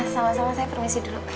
sama sama saya permisi dulu